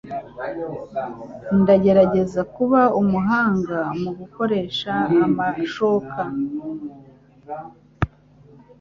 Ndagerageza kuba umuhanga mugukoresha amashoka.